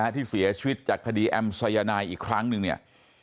ที่เสียชีวิตจากคดีแอมสายนายอีกครั้งหนึ่งเนี่ย